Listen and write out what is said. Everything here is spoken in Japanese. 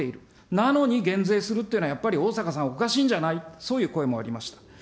なのに減税するっていうのは、やっぱり逢坂さん、おかしいんじゃない、そういう声もありました。